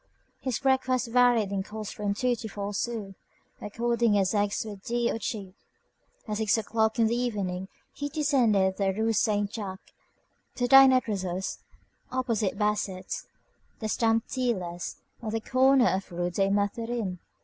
His breakfast varied in cost from two to four sous, according as eggs were dear or cheap. At six o'clock in the evening he descended the Rue Saint Jacques to dine at Rousseau's, opposite Basset's, the stamp dealer's, on the corner of the Rue des Mathurins.